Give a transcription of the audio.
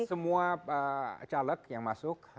semua caleg yang masuk